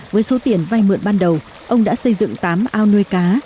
với số tiền vay mượn ban đầu ông đã xây dựng tám ao nuôi cá